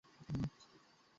আমিই অফিসের হর্তাকর্তা।